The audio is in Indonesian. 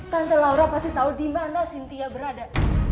tante laura pasti tahu dimana sintia berada